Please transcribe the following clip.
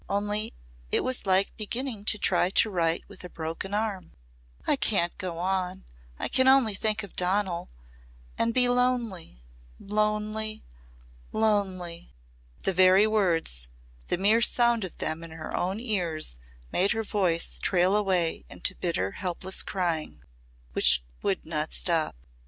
Only it was like beginning to try to write with a broken arm. I can't go on I can only think of Donal And be lonely lonely lonely." The very words the mere sound of them in her own ears made her voice trail away into bitter helpless crying which would not stop.